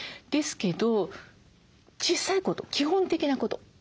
ですけど小さいこと基本的なこと。